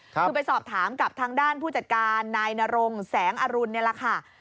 คือไปสอบถามกับทางด้านผู้จัดการนายนรงแสงอรุณนี่แหละค่ะ